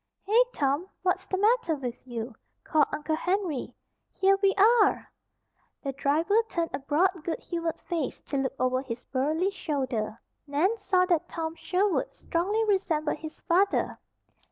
"Hey, Tom! What's the matter with you?" called Uncle Henry. "Here we are!" The driver turned a broad, good humored face to look over his burly shoulder. Nan saw that Tom Sherwood strongly resembled his father.